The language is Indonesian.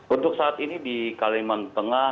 untuk saat ini di kalimantan tengah